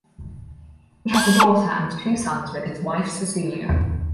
He has a daughter and two sons with his wife Cecilia.